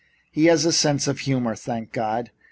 "He has a sense of humor, thank God!